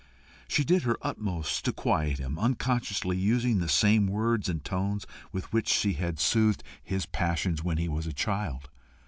She did her utmost to quiet him, unconsciously using the same words and tones with which she had soothed his passions when he was a child.